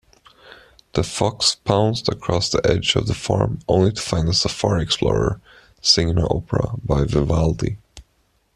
The fox pounced across the edge of the farm, only to find a safari explorer singing an opera by Vivaldi.